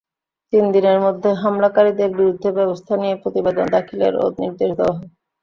তিন দিনের মধ্যে হামলাকারীদের বিরুদ্ধে ব্যবস্থা নিয়ে প্রতিবেদন দাখিলেরও নির্দেশ দেওয়া হয়।